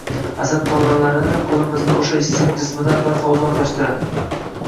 Asab tolalari qo’limizni o’sha issiq jismdan darhol uzoqlashtiradi.